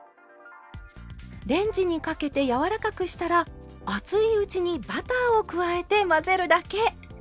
レンジにかけて柔らかくしたら熱いうちにバターを加えて混ぜるだけ。